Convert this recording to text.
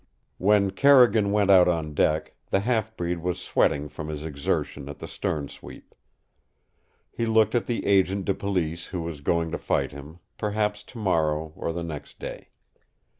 When Carrigan went out on deck, the half breed was sweating from his exertion at the stern sweep. He looked at the agent de police who was going to fight him, perhaps tomorrow or the next day.